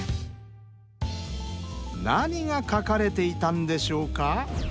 何が書かれていたんでしょうか？